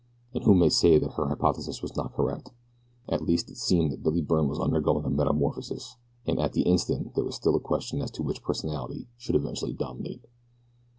And who may say that her hypothesis was not correct at least it seemed that Billy Byrne was undergoing a metamorphosis, and at the instant there was still a question as to which personality should eventually dominate.